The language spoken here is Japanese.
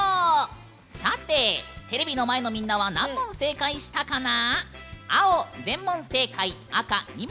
さて、テレビの前のみんなは何問正解したかな？